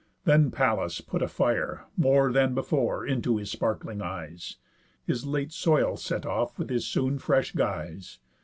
Then Pallas put a fire, More than before, into his sparkling eyes, His late soil set off with his soon fresh guise.